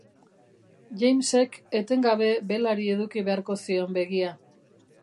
Jamesek etengabe belari eduki beharko zion begia.